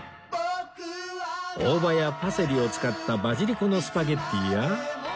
大葉やパセリを使ったバジリコのスパゲッティや